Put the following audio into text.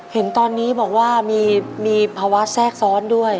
เห็นตอนนี้บอกว่ามีภาวะแทรกซ้อนด้วย